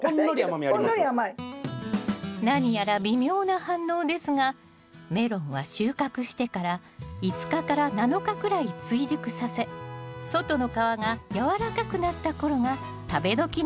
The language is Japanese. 何やら微妙な反応ですがメロンは収穫してから５日７日くらい追熟させ外の皮が柔らかくなった頃が食べどきなんですよね